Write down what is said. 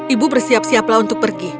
ibu bersiap siaplah untuk pergi